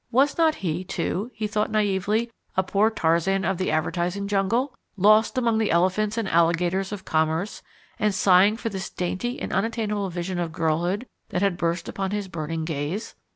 Was not he, too he thought naively a poor Tarzan of the advertising jungle, lost among the elephants and alligators of commerce, and sighing for this dainty and unattainable vision of girlhood that had burst upon his burning gaze!